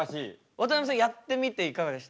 渡辺さんやってみていかがでした？